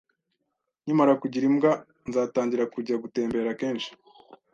Nkimara kugira imbwa, nzatangira kujya gutembera kenshi.